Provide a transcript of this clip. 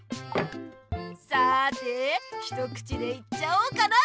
さて一口でいっちゃおうかな。